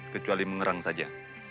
kecuali mengerang saja